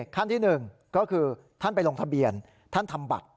ขั้นที่๑ก็คือท่านไปลงทะเบียนท่านทำบัตร